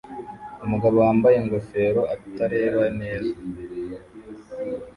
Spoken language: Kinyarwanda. Umugabo wambaye ingofero atareba neza